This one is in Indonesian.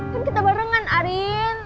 kan kita barengan arin